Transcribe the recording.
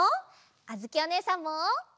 あづきおねえさんも！